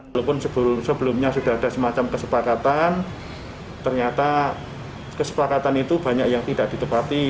walaupun sebelumnya sudah ada semacam kesepakatan ternyata kesepakatan itu banyak yang tidak ditepati